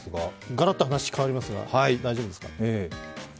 ガラッと話が変わりますが、大丈夫ですか。